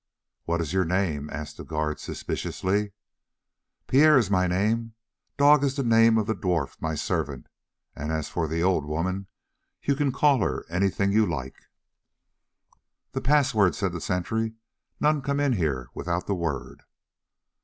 "What is your name?" asked the guard suspiciously. "Pierre is my name. Dog is the name of the dwarf my servant, and as for the old woman, you can call her anything you like." "The password," said the sentry; "none come in here without the word."